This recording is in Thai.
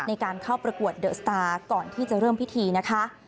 ในการเข้าประกวดเดอะสตาร์ก่อนที่จะเริ่มพิธีนะคะ